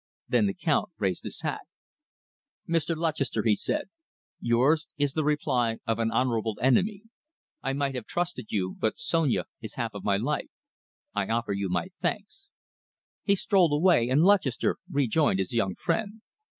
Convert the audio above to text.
Then the Count raised his hat. "Mr. Lutchester," he said, "yours is the reply of an honourable enemy. I might have trusted you, but Sonia is half of my life. I offer you my thanks." He strolled away, and Lutchester rejoined his young friend.